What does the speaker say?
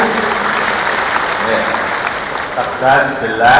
tepat jelas tidak beda